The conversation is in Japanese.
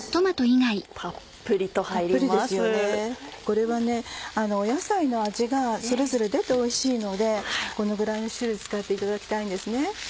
これは野菜の味がそれぞれ出ておいしいのでこのぐらいの種類使っていただきたいんですね。